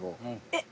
えっ？